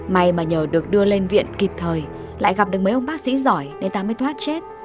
may mà nhờ được đưa lên viện kịp thời lại gặp được mấy ông bác sĩ giỏi nên ta mới thoát chết